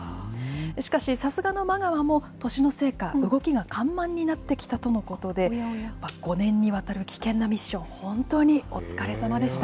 しかし、さすがのマガワも年のせいか動きが緩慢になってきたとのことで、５年にわたる危険なミッション、本当にお疲れさまでした。